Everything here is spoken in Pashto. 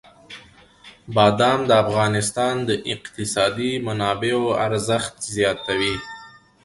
بادام د افغانستان د اقتصادي منابعو ارزښت زیاتوي.